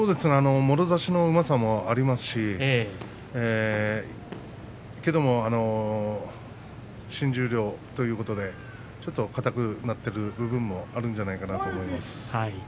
もろ差しのうまさもありますし新十両ということで、ちょっと硬くなっている部分もあるんじゃないかなと思います。